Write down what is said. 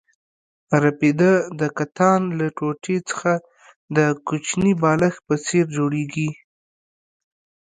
رپیده د کتان له ټوټې څخه د کوچني بالښت په څېر جوړېږي.